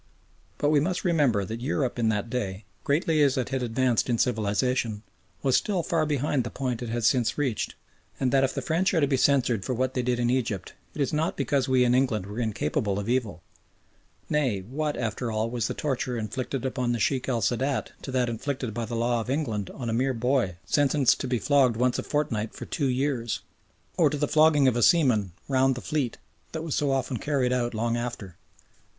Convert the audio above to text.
But we must remember that Europe in that day, greatly as it had advanced in civilisation, was still far behind the point it has since reached, and that if the French are to be censured for what they did in Egypt it is not because we in England were incapable of evil; nay, what, after all, was the torture inflicted upon the Sheikh el Sadat to that inflicted by the law of England on a mere boy sentenced to be flogged once a fortnight for two years? or to the flogging of a seaman "round the fleet" that was so often carried out long after?